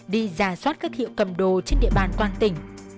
đi giả soát các hiệu cầm đồ trên địa bàn toàn tỉnh